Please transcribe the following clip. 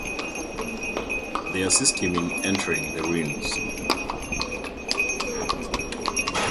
They assist him in entering the ruins.